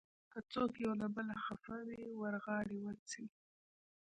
که څوک یو له بله خفه وي، ور غاړې وځئ.